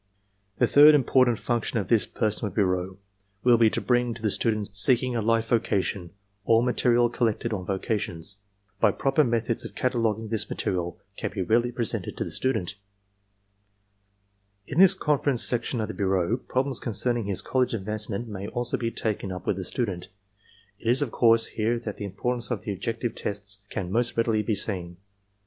"The third important function of this personnel bureau will be to bring to the student seeking a life vocation all material col lected on vocations. By proper methods of cataloguing this material can be readily presented to the student. In this con 182 ARMY MENTAL TESTS ference section of the bureau, problems concerning his college advancement may also be taken up with the student. It is, of course, here that the importance of the objective tests can most readily be seen.